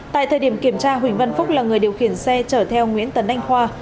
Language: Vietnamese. tại thời điểm kiểm tra huỳnh văn phúc là người điều khiển xe chở theo nguyễn tấn anh khoa